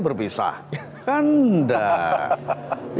berpisah kan ndak